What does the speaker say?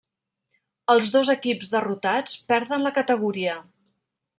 Els dos equips derrotats perden la categoria.